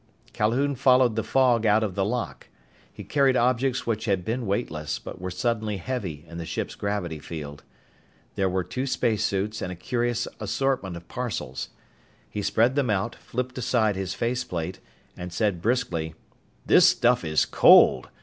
Calhoun followed the fog out of the lock. He carried objects which had been weightless, but were suddenly heavy in the ship's gravity field. There were two spacesuits and a curious assortment of parcels. He spread them out, flipped aside his faceplate, and said briskly, "This stuff is cold!